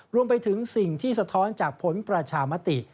รวมไปถึงสิ่งที่สะท้อนจากผลประชามติ